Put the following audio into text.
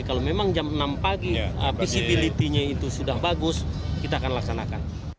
kalau memang jam enam pagi visibility nya itu sudah bagus kita akan laksanakan